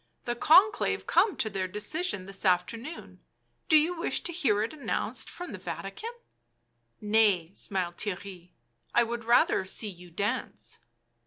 " The Conclave come to their decision this afternoon ; do you wish to hear it announced from the Vatican?" " Nay," smiled Theirry. " I would rather see you dance."